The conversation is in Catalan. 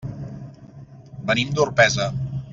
Venim d'Orpesa.